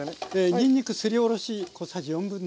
にんにくすりおろし小さじ1/4。